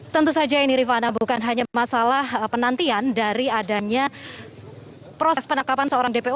tentu saja ini rifana bukan hanya masalah penantian dari adanya proses penangkapan seorang dpo